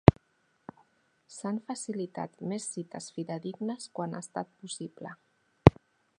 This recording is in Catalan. S'han facilitat més cites fidedignes quan ha estat possible.